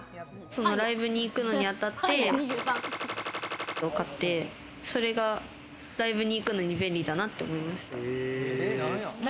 ライブに行くのにあたって、を買ってそれがライブに行くのに便利だなって思いました。